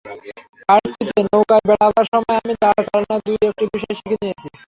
পার্সিতে নৌকায় বেড়াবার সময় আমি দাঁড় চালানর দু-একটি বিষয় শিখে নিয়েছি।